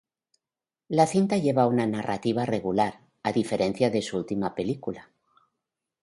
La cinta lleva una narrativa regular, a diferencia de su última película.